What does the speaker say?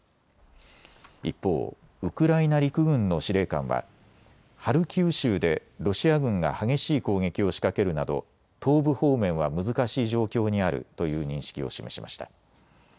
一方、ウクライナ陸軍の司令官はハルキウ州でロシア軍が激しい攻撃を仕掛けるなど東部方面は難しい状況にあるという認識を示しました。